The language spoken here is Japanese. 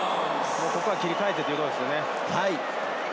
ここは切り替えてというところですね。